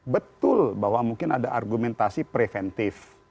betul bahwa mungkin ada argumentasi preventif